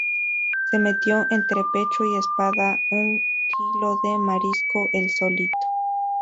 Se metió entre pecho y espalda un quilo de marisco él solito